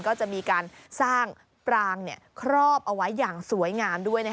ก็จะมีการสร้างปรางครอบเอาไว้อย่างสวยงามด้วย